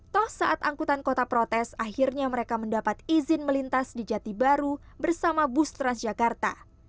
toh saat angkutan kota protes akhirnya mereka mendapat izin melintas di jati baru bersama bus transjakarta